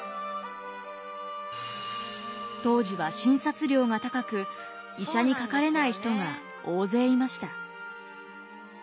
当時は診察料が高く医者にかかれない人が大勢いました。